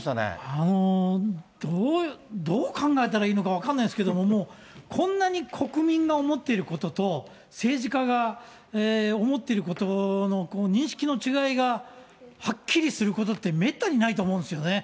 あのー、どう考えたらいいのか分かんないですけども、もう、こんなに国民が思っていることと、政治家が思っていることの認識の違いがはっきりすることってめったにないと思うんですよね。